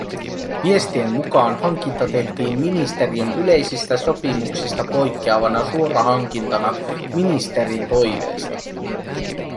Viestien mukaan hankinta tehtiin ministeriön yleisistä sopimuksista poikkeavana suorahankintana ministerin toiveesta